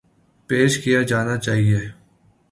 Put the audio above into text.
ﭘﯿﺶ ﮐﯿﺎ ﺟﺎﻧﺎ ﭼﺎﮬﯿﮯ